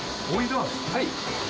はい。